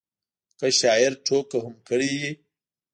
که شاعر ټوکه هم کړې وي.